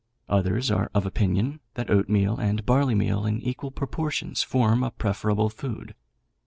Others are of opinion that oatmeal and barleymeal in equal proportions form a preferable food.